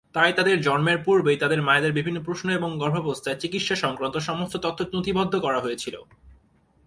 তাই তাদের জন্মের পূর্বেই তাদের মায়েদের বিভিন্ন প্রশ্ন এবং গর্ভাবস্থায় চিকিৎসা সংক্রান্ত সমস্ত তথ্য নথিবদ্ধ করা হয়েছিল।